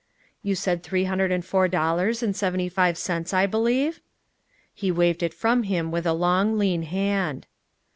"You said three hundred and four dollars and seventy five cents, I believe?" He waved it from him with a long, lean hand.